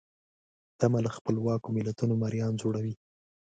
تمه له خپلواکو ملتونو مریان جوړوي.